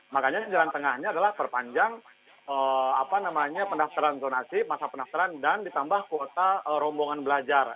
makanya jalan tengahnya adalah perpanjang pendaftaran zonasi masa pendaftaran dan ditambah kuota rombongan belajar